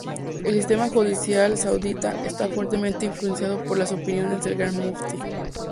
El sistema judicial saudita está fuertemente influenciado por las opiniones del Gran Muftí.